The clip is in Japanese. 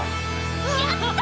やった！